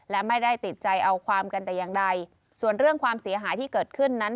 และไม่ได้ติดใจเอาความกันแต่อย่างใดส่วนเรื่องความเสียหายที่เกิดขึ้นนั้น